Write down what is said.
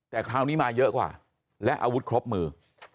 แต่คราวนี้มาเยอะกว่าและอาวุธครบมือ